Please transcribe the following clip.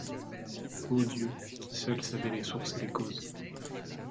O Dieu, qui seul savez les sources et les causes